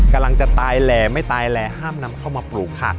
กำลังจะตายแหล่ไม่ตายแหล่ห้ามนำเข้ามาปลูกค่ะ